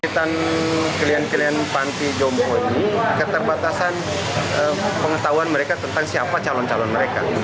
ketika kalian kalian panti jomho ini keterbatasan pengetahuan mereka tentang siapa calon calon mereka